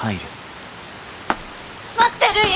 待ってるい！